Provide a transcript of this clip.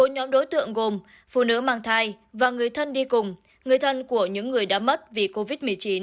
bốn nhóm đối tượng gồm phụ nữ mang thai và người thân đi cùng người thân của những người đã mất vì covid một mươi chín